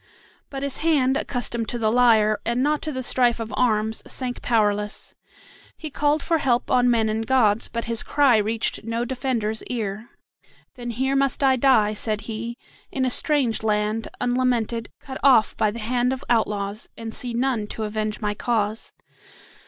But his hand, accustomed to the lyre, and not to the strife of arms, sank powerless. He called for help on men and gods, but his cry reached no defender's ear. "Then here must I die," said he, "in a strange land, unlamented, cut off by the hand of outlaws, and see none to avenge my cause."